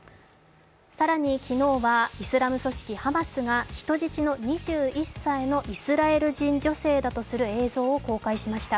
更に昨日はイスラム組織ハマスが人質の２１歳のイスラエル人女性だとする映像を公開しました。